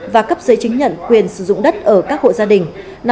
và cấp giấy chứng nhận quyền sử dụng đất ở các hộ gia đình